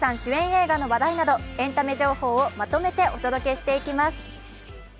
映画の話題などエンタメ情報をまとめてお届けしていきます。